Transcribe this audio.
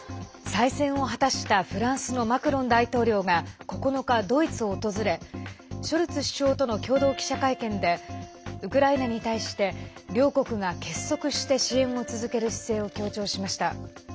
再選を果たしたフランスのマクロン大統領が９日、ドイツを訪れショルツ首相との共同記者会見でウクライナに対して両国が結束して支援を続ける姿勢を強調しました。